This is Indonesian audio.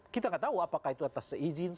kita gak tahu apakah itu atas izin